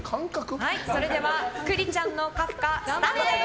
それでは栗ちゃんのカフカスタートです。